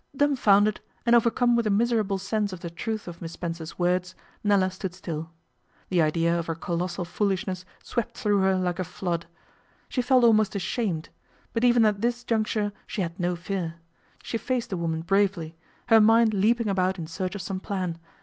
Dumbfounded, and overcome with a miserable sense of the truth of Miss Spencer's words, Nella stood still. The idea of her colossal foolishness swept through her like a flood. She felt almost ashamed. But even at this juncture she had no fear. She faced the woman bravely, her mind leaping about in search of some plan.